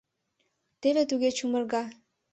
Теве туге чумырга.